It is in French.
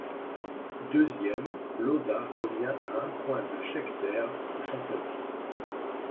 Deuxième, Lauda revient à un point de Scheckter au championnat.